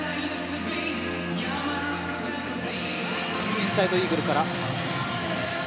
インサイドイーグルから。